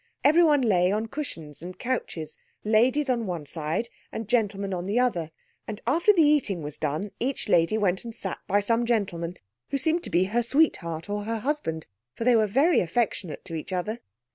Everyone lay on cushions and couches, ladies on one side and gentlemen on the other; and after the eating was done each lady went and sat by some gentleman, who seemed to be her sweetheart or her husband, for they were very affectionate to each other.